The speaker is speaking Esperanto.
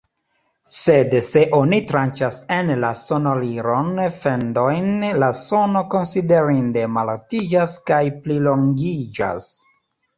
Sed se oni tranĉas en la sonorilon fendojn, la sono konsiderinde malaltiĝas kaj plilongiĝas.